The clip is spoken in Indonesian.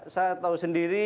saya tahu sendiri